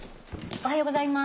おはようございます。